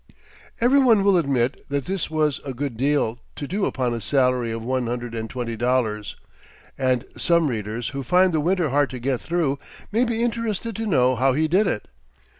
Every one will admit that this was a good deal to do upon a salary of one hundred and twenty dollars; and some readers, who find the winter hard to get through, may be interested to know how he did it.